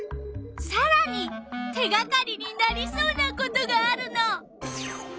さらに手がかりになりそうなことがあるの。